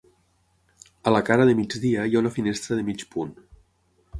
A la cara de migdia hi ha una finestra de mig punt.